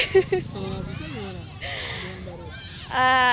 kalau yang baru